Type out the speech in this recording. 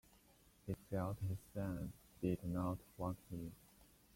He felt his son did not want him.